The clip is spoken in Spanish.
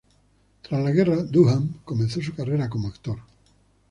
Tras la guerra, Doohan comenzó su carrera como actor.